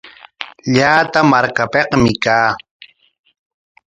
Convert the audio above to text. Llata markapikmi kaa.